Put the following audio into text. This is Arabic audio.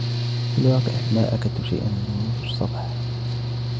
في الواقع ، ما أكلت شيئاً منذ الصباح.